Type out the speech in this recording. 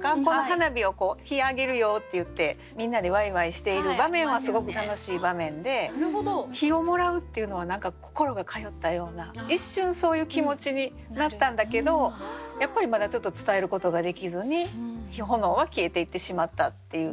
花火を「火あげるよ」って言って皆でワイワイしている場面はすごく楽しい場面で火をもらうっていうのは何か心が通ったような一瞬そういう気持ちになったんだけどやっぱりまだちょっと伝えることができずに炎は消えていってしまったっていう。